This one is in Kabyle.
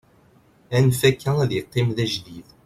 anef akka ad yeqqim d ajdid